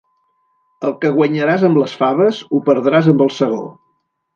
El que guanyaràs amb les faves, ho perdràs amb el segó.